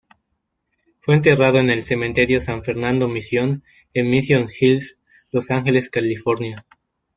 Fue enterrado en el Cementerio San Fernando Misión en Mission Hills, Los Ángeles, California.